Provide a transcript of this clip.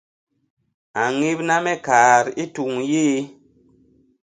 A ñébna me kaat i tuñ yéé.